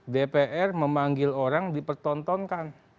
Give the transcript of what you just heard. dpr memanggil orang dipertontonkan